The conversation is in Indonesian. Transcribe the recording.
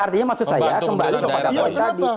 artinya maksud saya kembali kepada poin tadi